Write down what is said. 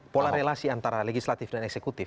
pola relasi antara legislatif dan eksekutif